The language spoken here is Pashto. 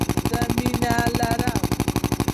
زه مینه لرم.